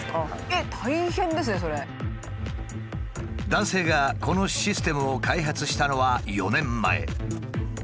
男性がこのシステムを開発したのは４年前。